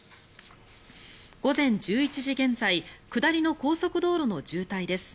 午前１１時現在下りの高速道路の渋滞です。